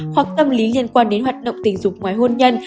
hoặc tâm lý liên quan đến hoạt động tình dục ngoài hôn nhân